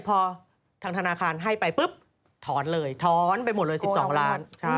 พอทางธนาคารให้ไปปุ๊บถอนเลยถอนไปหมดเลย๑๒ล้าน